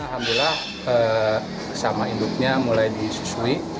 alhamdulillah sama induknya mulai disusui